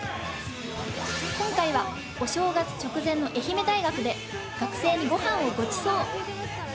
今回はお正月直前の愛媛大学で学生にごはんをごちそう。